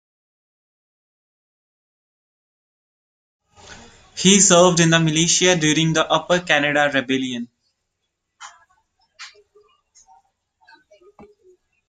He served in the militia during the Upper Canada Rebellion.